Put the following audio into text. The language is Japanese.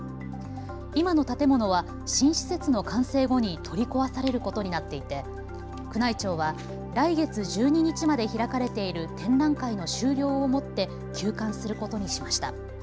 今の建物は新施設の完成後に取り壊されることになっていて宮内庁は来月１２日まで開かれている展覧会の終了をもって休館することにしました。